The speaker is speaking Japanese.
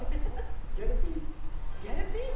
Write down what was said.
ギャルピース。